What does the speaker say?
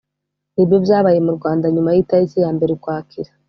ni byo byabaye mu rwanda. nyuma y'itariki ya mbere ukwakira